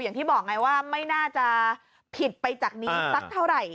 อย่างที่บอกไงว่าไม่น่าจะผิดไปจากนี้สักเท่าไหร่